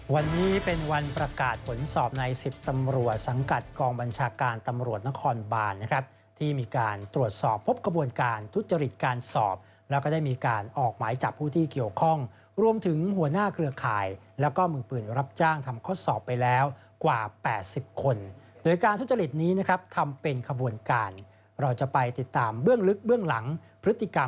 วันนี้เป็นวันประกาศผลสอบใน๑๐ตำรวจสังกัดกองบัญชาการตำรวจนครบานนะครับที่มีการตรวจสอบพบกระบวนการทุจริตการสอบแล้วก็ได้มีการออกหมายจับผู้ที่เกี่ยวข้องรวมถึงหัวหน้าเครือข่ายแล้วก็มือปืนรับจ้างทำข้อสอบไปแล้วกว่า๘๐คนโดยการทุจริตนี้นะครับทำเป็นขบวนการเราจะไปติดตามเบื้องลึกเบื้องหลังพฤติกรรม